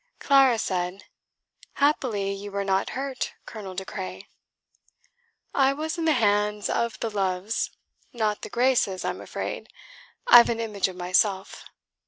Clara said: "Happily you were not hurt, Colonel De Craye." "I was in the hands of the Loves. Not the Graces, I'm afraid; I've an image of myself.